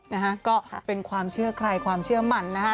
นะฮะก็เป็นความเชื่อใครความเชื่อมันนะฮะ